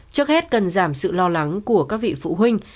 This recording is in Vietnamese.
trước hết cần giảm sự lo lắng của các vị phụ huynh